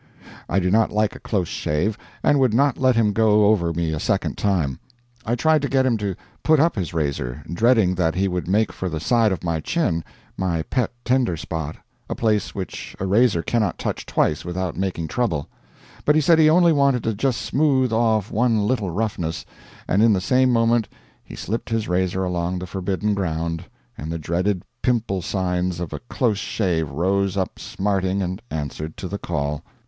I do not like a close shave, and would not let him go over me a second time. I tried to get him to put up his razor, dreading that he would make for the side of my chin, my pet tender spot, a place which a razor cannot touch twice without making trouble; but he said he only wanted to just smooth off one little roughness, and in the same moment he slipped his razor along the forbidden ground, and the dreaded pimple signs of a close shave rose up smarting and answered to the call.